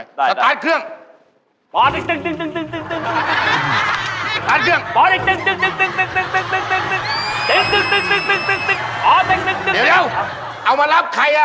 นั่นไหมฮะ